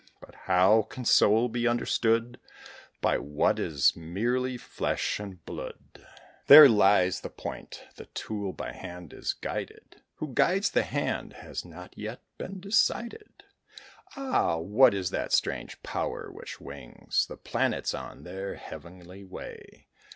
But how can soul be understood By what is merely flesh and blood? There lies the point. The tool by hand is guided; Who guides the hand has not yet been decided. Ah! what is that strange power which wings The planets on their heavenly way?